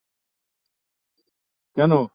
সাত সকালে সে আমার মাথা খারাপ করে দিচ্ছে।